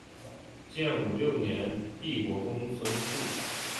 建武六年帝公孙述。